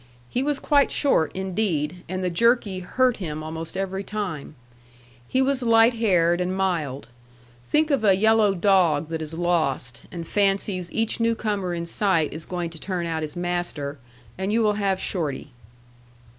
He was quite short, indeed, and the jerky hurt him almost every time. He was light haired and mild. Think of a yellow dog that is lost, and fancies each newcomer in sight is going to turn out his master, and you will have Shorty.